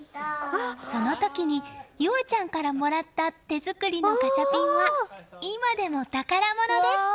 その時に結彩ちゃんからもらった手作りのガチャピンは今でも宝物です！